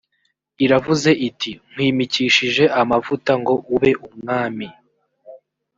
iravuze iti nkwimikishije amavuta ngo ube umwami